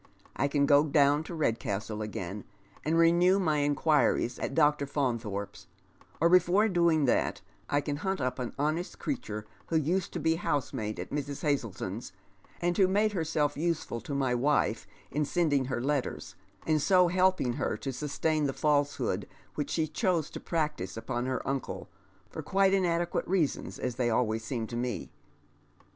I can go dov/n to Redcastle again, and renew my inquiries at Dr. Faun tliorpe's ; or, before doing that, I can hunt up an honest creature who used to be housemaid at Mrs. Hazleton's, and who made lierself useful to my wife in sending her letters, and so helping lier to sustain the falsehood which she chose to practise upon her uncle, for quite inadequate reasons, as they always seemed to me.